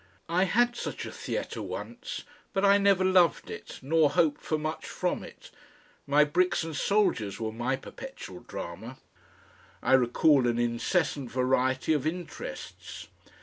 I had such a theatre once, but I never loved it nor hoped for much from it; my bricks and soldiers were my perpetual drama. I recall an incessant variety of interests.